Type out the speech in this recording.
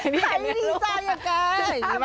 ใครดีใจอย่างกัน